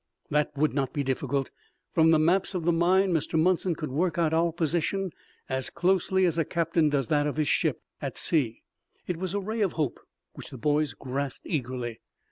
"That would not be difficult. From the maps of the mine Mr. Munson could work out our position as closely as a captain does that of his ship at sea." It was a ray of hope which the boys grasped eagerly.